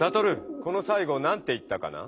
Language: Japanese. このさいごなんて言ったかな？